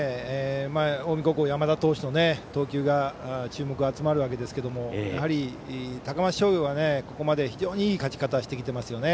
近江高校、山田投手の投球が注目が集まりますがやはり高松商業が、ここまで非常にいい勝ち方してきています。